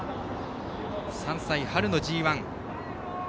３歳春のＧＩ。